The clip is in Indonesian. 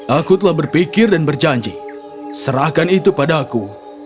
aku telah berpikir dan berjanji serahkan itu padaku